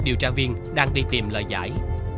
điều tra viên đang đi tìm lời giải